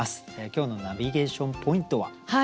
今日のナビゲーション・ポイントは？